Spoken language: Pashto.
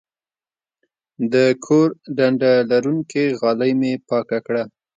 د کور ډنډه لرونکې غالۍ مې پاکه کړه.